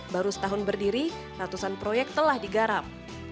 baru setahun berdiri ratusan proyek telah digarap